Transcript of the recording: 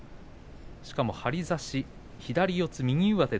しかも張り差し左四つ右上手。